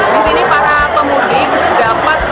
di sini para pemudik dapat